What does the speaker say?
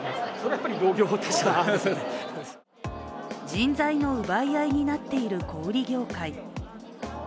人材の奪い合いになっている小売業界。